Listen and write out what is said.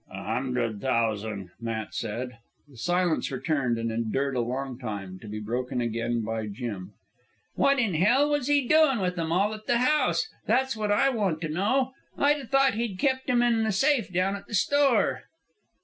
"A hundred thousan'," Matt said. The silence returned and endured a long time, to be broken again by Jim. "What in hell was he doin' with 'em all at the house? that's what I want to know. I'd a thought he'd kept 'em in the safe down at the store."